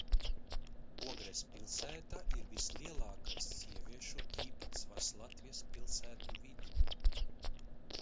Ogres pilsētā ir vislielākais sieviešu īpatsvars Latvijas pilsētu vidū.